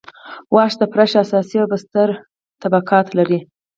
واش د فرش اساس او بستر طبقات لري